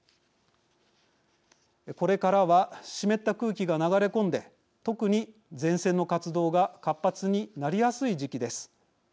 これからは湿った空気が流れ込んで特に前線の活動が活発になりやすい時期です。